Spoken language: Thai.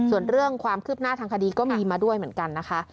ส่วนเรื่องความคืบหน้าทางคดีก็มีมาด้วยเหมือนกันนะคะ